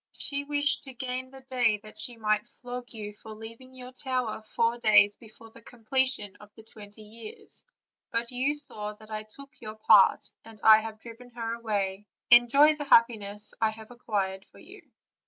She wished to gain the day that she might flog you for leaving your tower four days before the completion of the twenty years; but you saw that I took your part, and that I have driven her away: enjoy the happiness I have acquired for you."